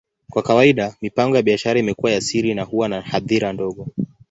Kwa kawaida, mipango ya biashara imekuwa ya siri na huwa na hadhira ndogo.